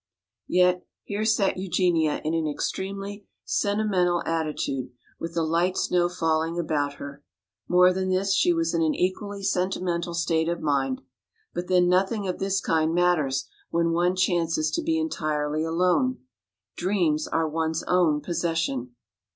Yet here sat Eugenia in an extremely sentimental attitude with the light snow falling about her. More than this, she was in an equally sentimental state of mind. But then nothing of this kind matters when one chances to be entirely alone. Dreams are one's own possession.